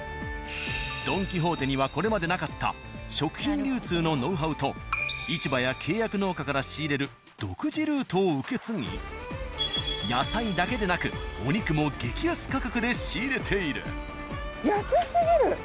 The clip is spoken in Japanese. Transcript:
「ドン・キホーテ」にはこれまでなかった食品流通のノウハウと市場や契約農家から仕入れる独自ルートを受け継ぎ野菜だけでなく安すぎる。